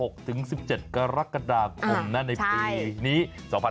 ๑๖๑๗กรกฎาคมในปีนี้